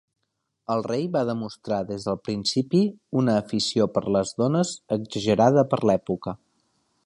El rei va demostrar des del principi una afició per les dones exagerada per l'època.